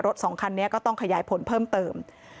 สองคันนี้ก็ต้องขยายผลเพิ่มเติม